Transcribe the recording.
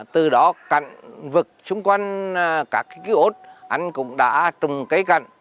từ đó cạnh vực xung quanh các ký ốt anh cũng đã trùng cấy cạnh